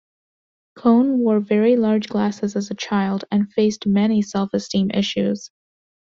Cohn wore very large glasses as a child and faced many self-esteem issues.